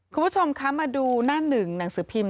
คุณผู้ชมคะมาดูหน้าหนึ่งหนังสือพิมพ์